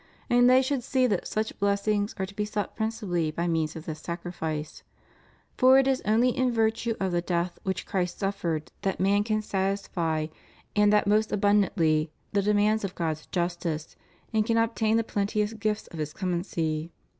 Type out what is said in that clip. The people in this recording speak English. And they should see that such blessings are to be sought principally by means of this Sacrifice. For it is only in virtue of the death which Christ suffered that man can satisfy, and that most abundantly, the demands of God's justice, and can obtain the plenteous gifts of His clemency.